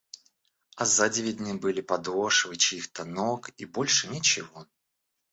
А сзади видны были подошвы чьих-то ног — и больше ничего.